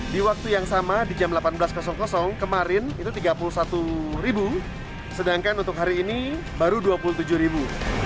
di waktu yang sama di jam delapan belas kemarin itu tiga puluh satu ribu sedangkan untuk hari ini baru dua puluh tujuh ribu